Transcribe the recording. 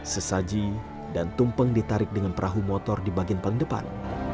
sesaji dan tumpeng ditarik dengan perahu motor di bagian paling depan